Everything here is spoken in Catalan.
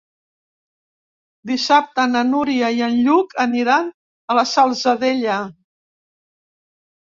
Dissabte na Núria i en Lluc aniran a la Salzadella.